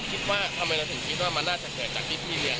คิดว่าทำไมเราถึงคิดว่ามันน่าจะเกิดจากที่พี่เลี้ยง